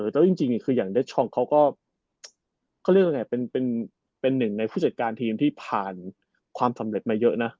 แล้วยังจริงอย่างดิดิเยดายชองเขาก็เป็นหนึ่งในผู้จัดการทีมที่ผ่านความสำเร็จมาเยอะนะ